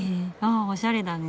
あおしゃれだね。